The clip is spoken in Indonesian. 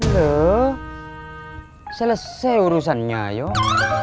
lho selesai urusannya yuk